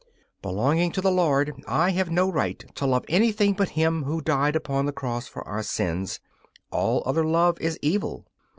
Belonging to the Lord, I have no right to love anything but Him who died upon the cross for our sins all other love is evil.